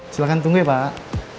silahkan tunggu ya pak